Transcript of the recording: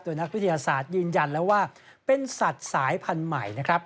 นักวิทยาศาสตร์ยืนยันแล้วว่าเป็นสัตว์สายพันธุ์ใหม่นะครับ